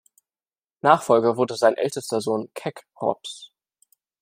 Nachfolger wurde sein ältester Sohn Kekrops.